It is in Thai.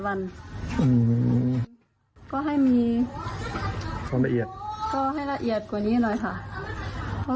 วันอืมก็ให้มีสองละเอียดก็ให้ละเอียดกว่านี้หน่อยค่ะเพราะ